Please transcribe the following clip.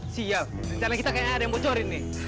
siap rencana kita kayak ada yang bocorin nih